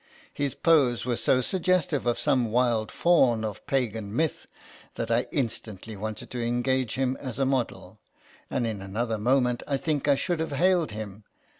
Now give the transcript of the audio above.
His pose was so suggestive of some wild faun of Pagan myth that I instantly wanted to engage him as a model, and in another moment I think I should have hailed him.